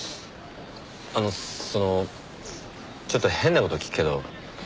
あのそのちょっと変な事聞くけど。